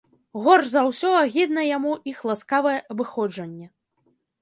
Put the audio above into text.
Горш за ўсё агідна яму іх ласкавае абыходжанне.